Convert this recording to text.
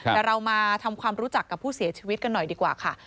แต่เรามาทำความรู้จักกับผู้เสียชีวิตกันหน่อยดีกว่าค่ะ